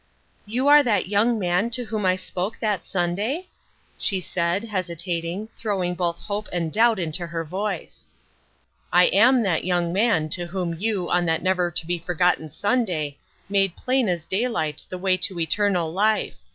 " You are that young man to whom I spoke that Sunday ?" she said, hesitating, throwing both hope and doubt into her voice. " I am that young man to whom you, on that never to be forgotten Sunday, made plain as day light the way to eternal life.